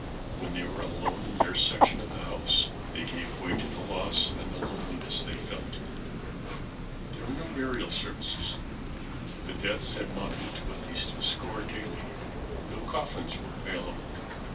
When they were alone in their section of the house they gave way to the loss and the loneliness they felt. There were no burial services. The deaths had mounted to at least a score daily. No coffins were available.